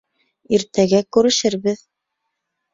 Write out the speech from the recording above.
Иртәгә күрешербеҙ.